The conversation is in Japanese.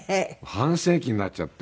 半世紀になっちゃって。